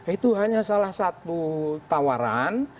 itu hanya salah satu tawaran